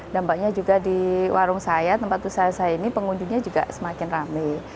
dampaknya juga di warung saya tempat usaha saya ini pengunjungnya juga semakin rame